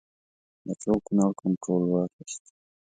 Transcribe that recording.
د ټول کنړ کنټرول واخیست.